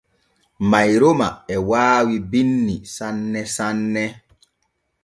Mayroma e waawi binni sanne sanne.